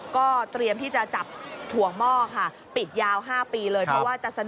ก็เตรียมที่จะจับถั่วงหม้อค่ะปิดยาว๕ปีเลยเพราะว่าจะเสนอ